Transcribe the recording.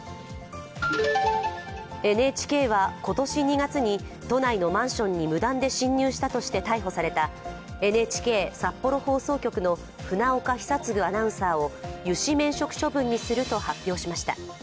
ＮＨＫは、今年２月に都内のマンションに無断で侵入したとして逮捕されたＮＨＫ札幌放送局の船岡久嗣アナウンサーを諭旨免職処分にすると発表しました。